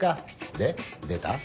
で出た？